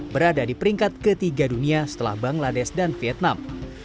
berada di peringkat ketiga dunia setelah bangladesh dan vietnam